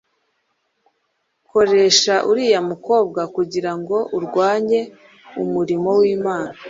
koresha uriya mukobwa kugira ngo arwanye umurimo w’Imana,